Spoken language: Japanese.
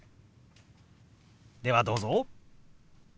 ではどうぞ。